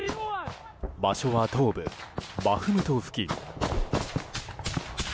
場所は東部バフムト付近。